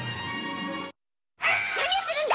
何をするんだ！